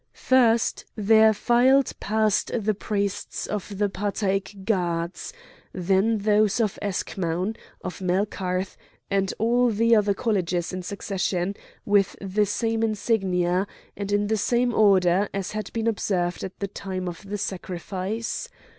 First there filed past the priests of the Patæc Gods, then those of Eschmoun, of Melkarth, and all the other colleges in succession, with the same insignia, and in the same order as had been observed at the time of the sacrifice.